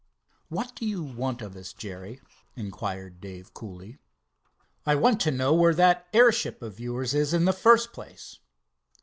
"What do you want of us, Jerry?" inquired Dave, coolly. "I want to know where that airship of yours is in the first place."